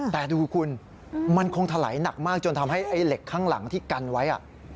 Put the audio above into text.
ประดูกคุณมันคงถลายหนักมากจนทำให้เหล็กข้างหลังกานไว้